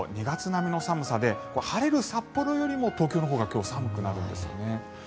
２月並みの寒さで晴れる札幌よりも東京のほうが今日は寒くなるんですよね。